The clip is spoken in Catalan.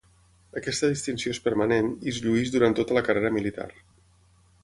Aquesta distinció és permanent i es llueix durant tota la carrera militar.